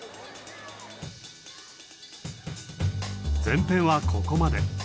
前編はここまで。